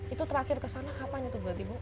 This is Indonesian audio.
itu terakhir kesana kapan itu bu